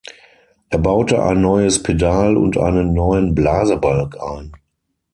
Er baute ein neues Pedal und einen neuen Blasebalg ein.